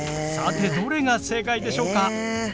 さてどれが正解でしょうか？